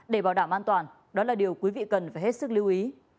để bảo đảm an toàn đó là điều quý vị cần phải hết sức lưu ý